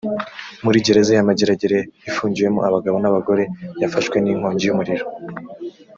muri gereza ya mageregere ifungiyemo abagabo n’abagore yafashwe ni nkongi yu muriro